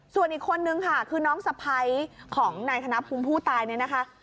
ส่วนอีกคนนึงค่ะคือน้องสะพ้ายของนายธนภูมิผู้ตายเนี่ยนะคะ